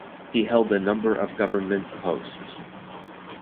He held a number of government posts.